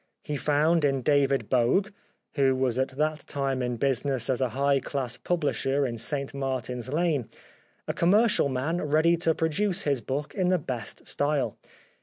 He found in David Bogue, who was at that time in business as a high class publisher in St Martin's Lane, a 172 The Life of Oscar Wilde commercial man ready to produce his book in the best style.